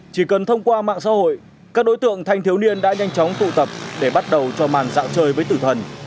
chỉ cần thông qua mạng xã hội các đối tượng thanh thiếu niên đã nhanh chóng tụ tập để bắt đầu cho màn dạo chơi với tử thần